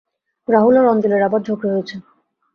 রাহুল আর অঞ্জলির আবার ঝগড়া হয়েছে।